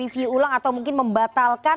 sudah final dan akan